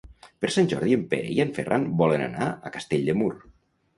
Per Sant Jordi en Pere i en Ferran volen anar a Castell de Mur.